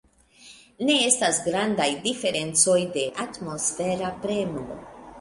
Ne estas grandaj diferencoj de atmosfera premo.